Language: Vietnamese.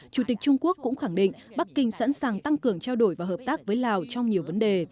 chủ tịch trung quốc cũng khẳng định bắc kinh sẵn sàng tăng cường trao đổi và hợp tác với lào trong nhiều vấn đề